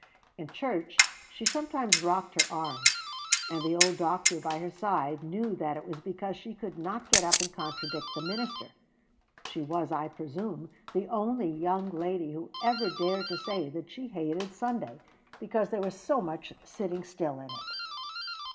In church she sometimes rocked her arms; and the old doctor by her side knew that it was because she could not get up and contradict the minister. She was, I presume, the only young lady who ever dared to say that she hated Sunday because there was so much sitting still in it.